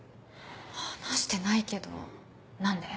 話してないけど何で？